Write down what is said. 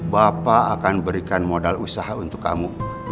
bapak akan berikan modal usaha untuk kamu